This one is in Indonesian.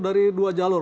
dari dua jalur